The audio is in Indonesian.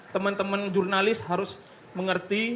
teman teman jurnalis harus mengerti